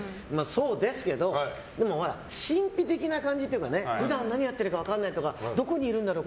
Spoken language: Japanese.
そうですけどでも、神秘的な感じというか普段何やってるか分からないとかどこいるんだろう